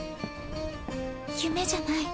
夢じゃない。